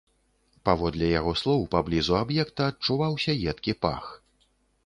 Паводле яго слоў, паблізу аб'екта адчуваўся едкі пах.